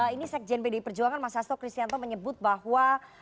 ini sekjen pdi perjuangan mas hasto kristianto menyebut bahwa